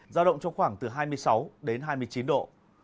ra động trong khoảng hai mươi sáu hai mươi chín độ